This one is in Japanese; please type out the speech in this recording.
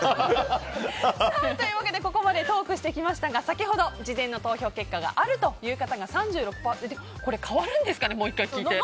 ここまでトークしてきましたが先ほど事前の投票結果があるという方が３６％でしたがこれ変わるんですかね？